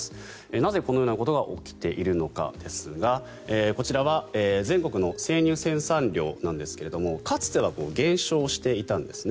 なぜ、このようなことが起きているのかですがこちらは全国の生乳生産量なんですがかつては減少していたんです。